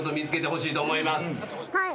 はい。